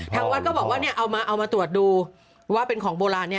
ทางวัดก็บอกว่าเนี่ยเอามาตรวจดูว่าเป็นของโบราณ